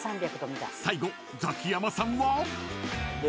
［最後ザキヤマさんは？］